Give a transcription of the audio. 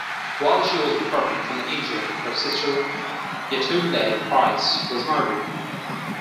While she was recovering from the injury, her sister Yetunde Price was murdered.